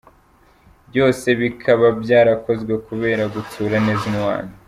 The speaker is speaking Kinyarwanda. Byose bikaba byarakozwe kubera gutsura neza umubano.